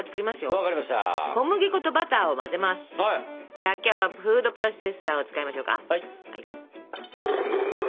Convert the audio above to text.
じゃあ今日はフードプロセッサーを使いましょうか。